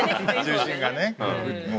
重心がね。